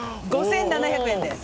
５７００円です。